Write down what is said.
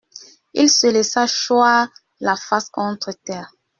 Il se laissa choir la face contre terre.